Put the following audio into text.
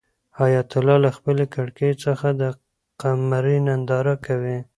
حیات الله له خپلې کړکۍ څخه د قمرۍ ننداره کوي.